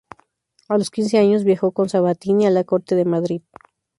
A los quince años viajó con Sabatini a la corte de Madrid.